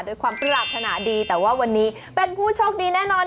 ด้วยความปรารถนาดีแต่ว่าวันนี้เป็นผู้โชคดีแน่นอน